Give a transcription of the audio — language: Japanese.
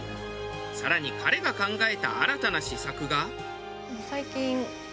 更に彼が考えた新たな施策が。